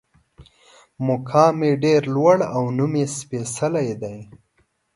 مقام یې ډېر لوړ او نوم یې سپېڅلی دی.